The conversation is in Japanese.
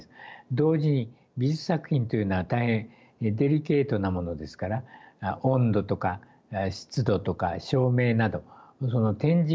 同時に美術作品というのは大変デリケートなものですから温度とか湿度とか照明などその展示環境をきちんと整える。